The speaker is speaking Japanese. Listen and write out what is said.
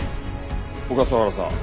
小笠原さん。